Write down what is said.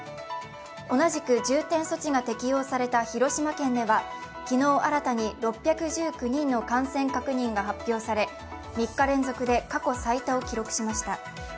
同じく重点措置が適用された広島県では昨日新たに６１９人の感染確認が発表され３日連続で過去最多を記録しました。